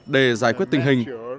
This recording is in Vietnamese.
để giải quyết tình hình